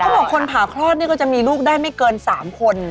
บอกคนผ่าคลอดนี่ก็จะมีลูกได้ไม่เกิน๓คน